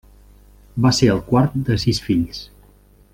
Va ser el quart de sis fills.